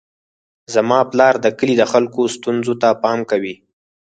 زما پلار د کلي د خلکو ستونزو ته پام کوي.